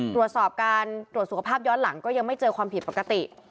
ตรวจสอบการตรวจสุขภาพย้อนหลังก็ยังไม่เจอความผิดปกติ